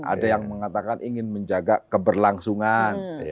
ada yang mengatakan ingin menjaga keberlangsungan